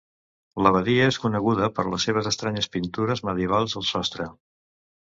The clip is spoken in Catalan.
L'abadia és coneguda per les seves estranyes pintures medievals al sostre.